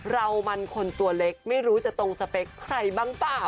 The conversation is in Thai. เรามันคนตัวเล็กไม่รู้จะตรงสเปคใครบ้างเปล่า